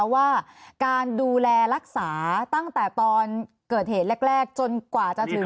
ว่าการดูแลรักษาตั้งแต่ตอนเกิดเหตุแรกจนกว่าจะถึง